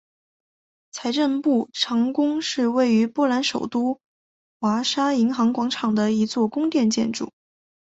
财政部长宫是位于波兰首都华沙银行广场的一座宫殿建筑。